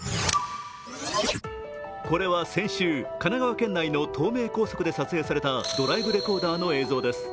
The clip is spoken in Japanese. これは先週、神奈川県内の東名高速で撮影されたドライブレコーダーの映像です。